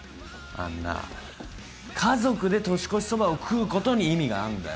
あんな家族で年越しそばを食うことに意味があんだよ。